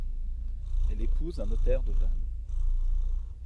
Elle épouse un notaire de Vannes.